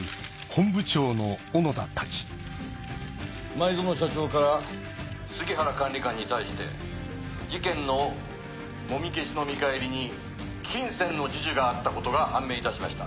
前薗社長から杉原管理官に対して事件のもみ消しの見返りに金銭の授受があったことが判明いたしました。